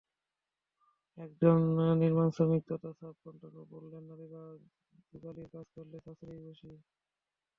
একজন নির্মাণশ্রমিক তথা সাব-কনট্রাক্টর বললেন, নারীরা জোগালির কাজ করলে সাশ্রয় বেশি।